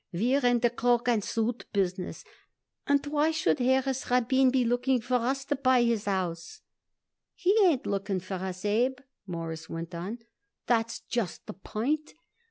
We're in the cloak and suit business, and why should Harris Rabin be looking for us to buy his house?" "He ain't looking for us, Abe," Morris went on. "That's just the point.